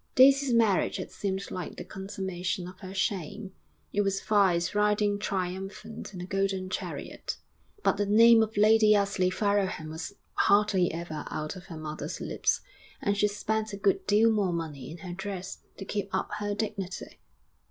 Daisy's marriage had seemed like the consummation of her shame; it was vice riding triumphant in a golden chariot.... But the name of Lady Ously Farrowham was hardly ever out of her mother's lips; and she spent a good deal more money in her dress to keep up her dignity.